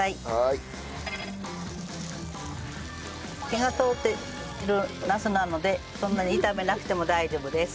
火が通っているなすなのでそんなに炒めなくても大丈夫です。